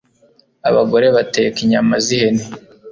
Abagore bateka inyama zihene